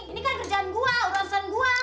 ini kan kerjaan gue urusan gua